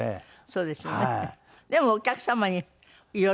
そうですね。